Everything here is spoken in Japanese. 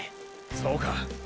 そうか。